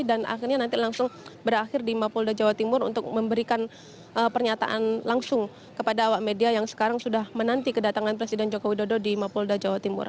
dan akhirnya nanti langsung berakhir di mapolda jawa timur untuk memberikan pernyataan langsung kepada awak media yang sekarang sudah menanti kedatangan presiden joko widodo di mapolda jawa timur